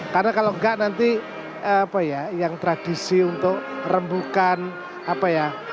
karena kalau enggak nanti apa ya yang tradisi untuk rembukan apa ya